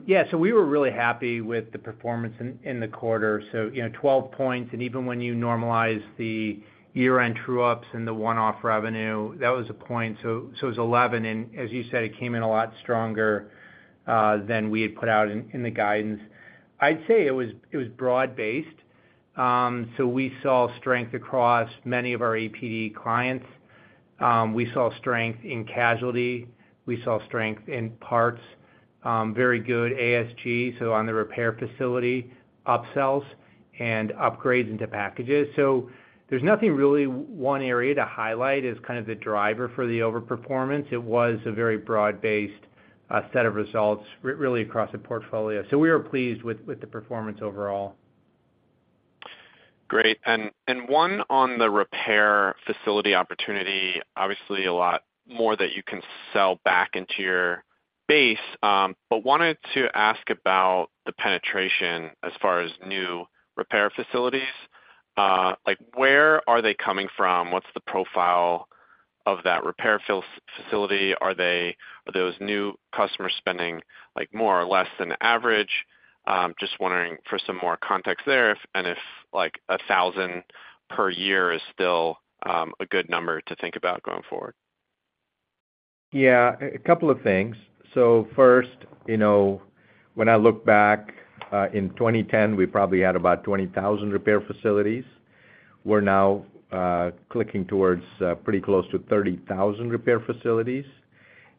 Yeah, so we were really happy with the performance in the quarter. So, you know, 12 points, and even when you normalize the year-end true-ups and the one-off revenue, that was a point. So it's 11, and as you said, it came in a lot stronger than we had put out in the guidance. I'd say it was broad-based. So we saw strength across many of our APD clients. We saw strength in casualty. We saw strength in parts, very good ASG, so on the repair facility, upsells and upgrades into packages. So there's nothing really one area to highlight as kind of the driver for the overperformance. It was a very broad-based set of results really across the portfolio. So we were pleased with the performance overall. Great. And one on the repair facility opportunity, obviously, a lot more that you can sell back into your base, but wanted to ask about the penetration as far as new repair facilities. Like, where are they coming from? What's the profile of that repair facility? Are those new customers spending, like, more or less than average? Just wondering for some more context there, and if, like, 1,000 per year is still a good number to think about going forward. Yeah, a couple of things. So first, you know, when I look back in 2010, we probably had about 20,000 repair facilities. We're now clicking towards pretty close to 30,000 repair facilities.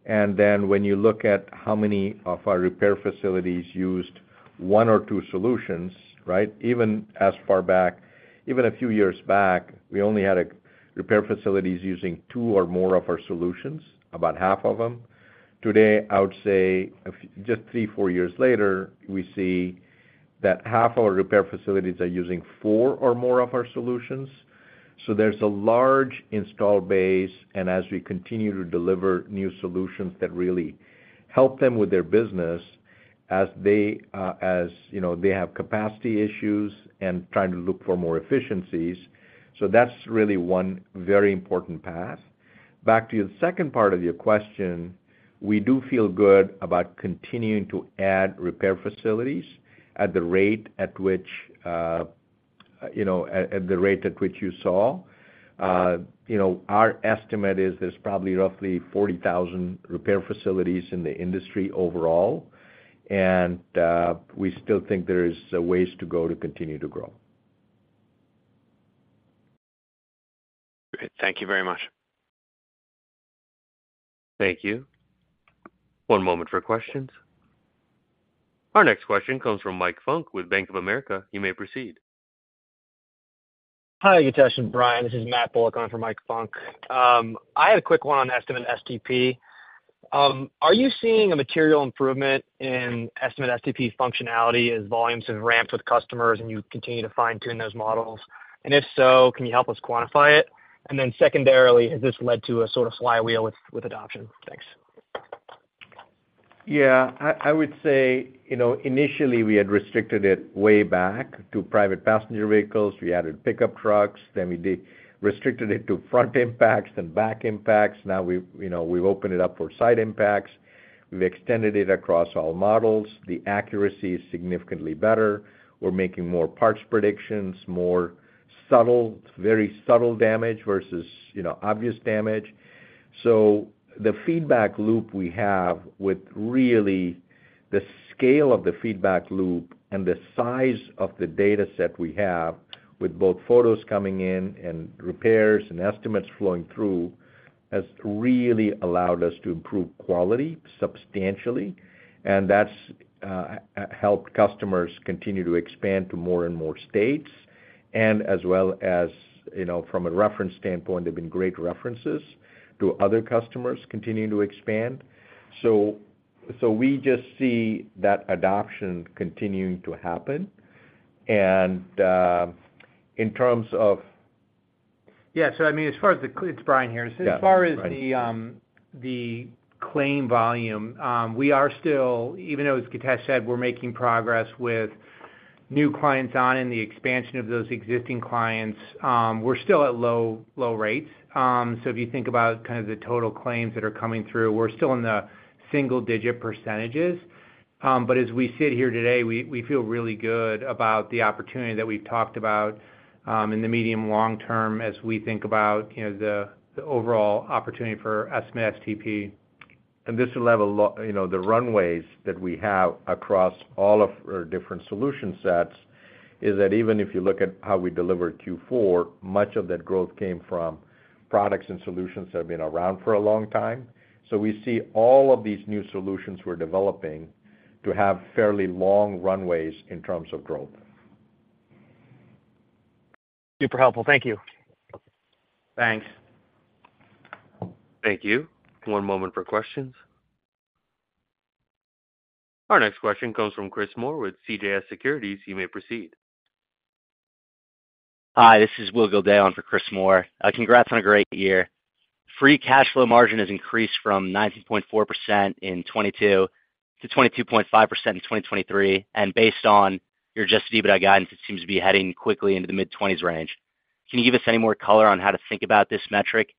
And then when you look at how many of our repair facilities used one or two solutions, right? Even as far back, even a few years back, we only had our repair facilities using two or more of our solutions, about half of them. Today, I would say, just three, four years later, we see that half our repair facilities are using four or more of our solutions. So there's a large installed base, and as we continue to deliver new solutions that really help them with their business as they, as, you know, they have capacity issues and trying to look for more efficiencies. So that's really one very important path. Back to your second part of your question, we do feel good about continuing to add repair facilities at the rate at which, you know, at the rate at which you saw. You know, our estimate is there's probably roughly 40,000 repair facilities in the industry overall, and we still think there is a ways to go to continue to grow. Great. Thank you very much. Thank you. One moment for questions. Our next question comes from Mike Funk with Bank of America. You may proceed. Hi, Githesh and Brian, this is Matt Bullock for Mike Funk. I had a quick one on Estimate STP. Are you seeing a material improvement in Estimate STP functionality as volumes have ramped with customers and you continue to fine-tune those models? And if so, can you help us quantify it? And then secondarily, has this led to a sort of flywheel with, with adoption? Thanks. Yeah, I would say, you know, initially, we had restricted it way back to private passenger vehicles. We added pickup trucks, then we restricted it to front impacts, then back impacts. Now we've, you know, we've opened it up for side impacts. We've extended it across all models. The accuracy is significantly better. We're making more parts predictions, more subtle, very subtle damage versus, you know, obvious damage. So the feedback loop we have with really the scale of the feedback loop and the size of the dataset we have, with both photos coming in and repairs and estimates flowing through, has really allowed us to improve quality substantially, and that's helped customers continue to expand to more and more states. And as well as, you know, from a reference standpoint, they've been great references to other customers continuing to expand. So, we just see that adoption continuing to happen. And, in terms of- Yeah, so I mean, as far as the... It's Brian here. Yeah, Brian. As far as the claim volume, we are still, even though, as Githesh said, we're making progress with new clients on and the expansion of those existing clients, we're still at low, low rates. So if you think about kind of the total claims that are coming through, we're still in the single-digit percentages. But as we sit here today, we feel really good about the opportunity that we've talked about in the medium long term, as we think about, you know, the overall opportunity for Estimate STP. This level, you know, the runways that we have across all of our different solution sets is that even if you look at how we delivered Q4, much of that growth came from products and solutions that have been around for a long time. So we see all of these new solutions we're developing to have fairly long runways in terms of growth. Super helpful. Thank you. Thanks. Thank you. One moment for questions. Our next question comes from Chris Moore with CJS Securities. You may proceed. Hi, this is Will Gildea on for Chris Moore. Congrats on a great year. Free cash flow margin has increased from 19.4% in 2022 to 22.5% in 2023, and based on your Adjusted EBITDA guidance, it seems to be heading quickly into the mid-20s range. Can you give us any more color on how to think about this metric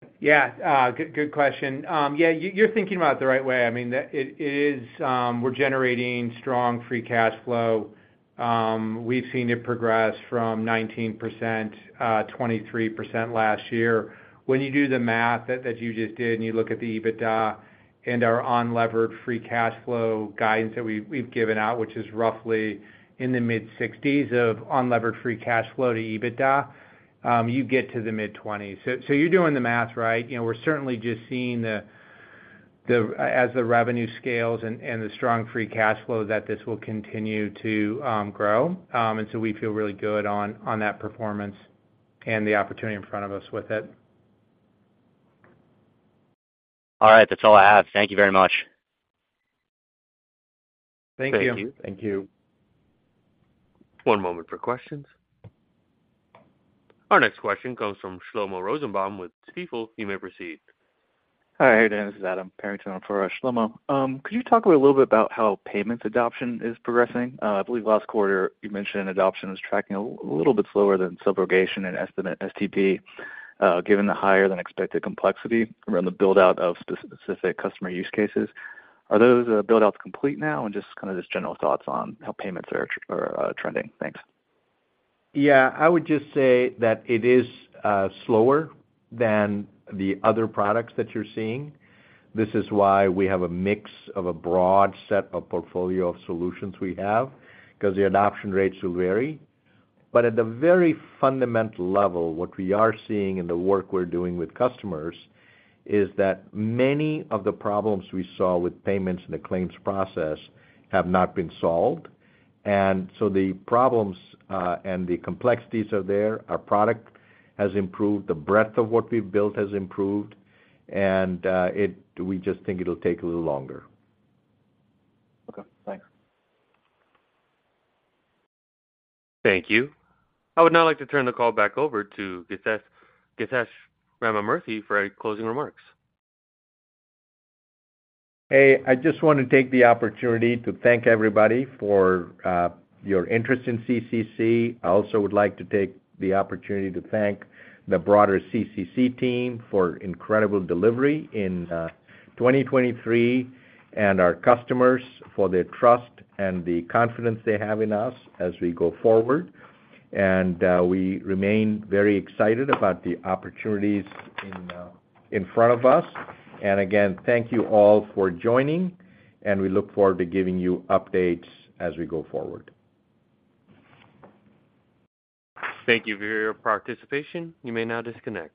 in 2024 and beyond? Yeah, good, good question. Yeah, you're thinking about it the right way. I mean, it is, we're generating strong free cash flow. We've seen it progress from 19%, 23% last year. When you do the math that you just did, and you look at the EBITDA and our unlevered free cash flow guidance that we've given out, which is roughly in the mid-60s of unlevered free cash flow to EBITDA, you get to the mid-20s. So, you're doing the math right. You know, we're certainly just seeing the, as the revenue scales and the strong free cash flow, that this will continue to grow. And so we feel really good on that performance and the opportunity in front of us with it. All right. That's all I have. Thank you very much. Thank you. Thank you. One moment for questions. Our next question comes from Shlomo Rosenbaum with Stifel. You may proceed. Hi, how are you doing? This is Adam Barrington for Shlomo. Could you talk a little bit about how payments adoption is progressing? I believe last quarter you mentioned adoption was tracking a little bit slower than Subrogation and Estimate STP, given the higher than expected complexity around the build-out of specific customer use cases. Are those build-outs complete now? Just kind of general thoughts on how payments are trending. Thanks. Yeah, I would just say that it is slower than the other products that you're seeing. This is why we have a mix of a broad set of portfolio of solutions we have, 'cause the adoption rates will vary. But at the very fundamental level, what we are seeing in the work we're doing with customers, is that many of the problems we saw with payments and the claims process have not been solved, and so the problems, and the complexities are there. Our product has improved, the breadth of what we've built has improved, and it we just think it'll take a little longer. Okay, thanks. Thank you. I would now like to turn the call back over to Githesh, Githesh Ramamurthy, for any closing remarks. Hey, I just want to take the opportunity to thank everybody for your interest in CCC. I also would like to take the opportunity to thank the broader CCC team for incredible delivery in 2023, and our customers for their trust and the confidence they have in us as we go forward. We remain very excited about the opportunities in front of us. Again, thank you all for joining, and we look forward to giving you updates as we go forward. Thank you for your participation. You may now disconnect.